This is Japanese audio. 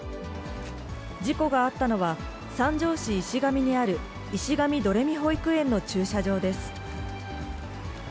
事故があったのは三条市石上にある、石上どれみ保育園の駐車場です。